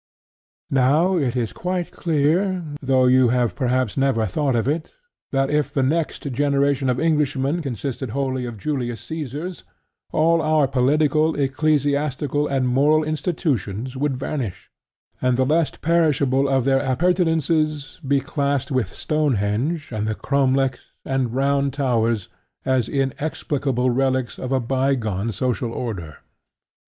Now it is quite clear though you have perhaps never thought of it that if the next generation of Englishmen consisted wholly of Julius Caesars, all our political, ecclesiastical, and moral institutions would vanish, and the less perishable of their appurtenances be classed with Stonehenge and the cromlechs and round towers as inexplicable relics of a bygone social order.